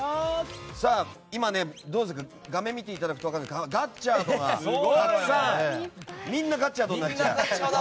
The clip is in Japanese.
今、画面を見ていただくと分かるんですけどみんなガッチャードになっちゃってる。